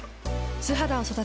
素肌を育てる。